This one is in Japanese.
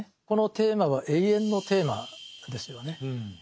このテーマは永遠のテーマですよね。